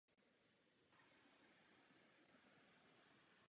Hrobka se nachází v Novém Dillí.